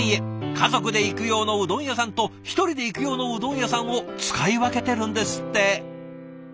家族で行く用のうどん屋さんと１人で行く用のうどん屋さんを使い分けてるんですって。